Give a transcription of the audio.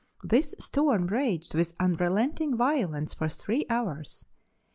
This storm raged with unrelenting violence for three hours.